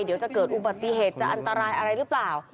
เดี๋ยวจะเกิดอุบัติเหตุจะอันตรายอะไรหรือเปล่า